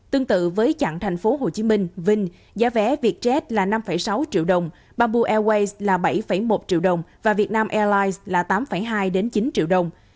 tương tự với chặng thành phố hồ chí minh vinh giá vé vietjet là năm sáu triệu đồng pampu airways là bảy một triệu đồng và viet nam airlines là tám hai đến chín triệu đồng